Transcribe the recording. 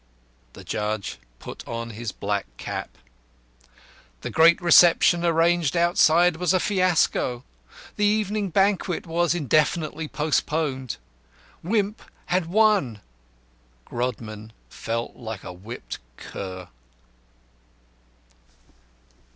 The judge put on his black cap. The great reception arranged outside was a fiasco; the evening banquet was indefinitely postponed. Wimp had won; Grodman felt like a whipped cur.